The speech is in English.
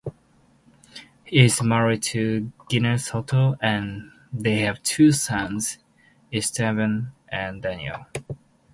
He is married to Gina Soto and they have two sons, Esteban and Daniel.